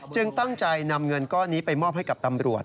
ตั้งใจนำเงินก้อนนี้ไปมอบให้กับตำรวจ